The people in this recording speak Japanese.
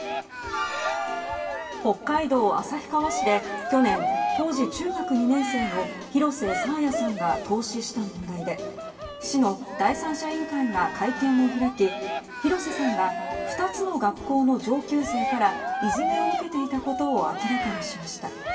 北海道旭川市で去年当時、中学２年生の広瀬爽彩さんが凍死した問題で市の第三者委員会が会見を開き広瀬さんが２つの学校の上級生からいじめを受けていたことを明らかにしました。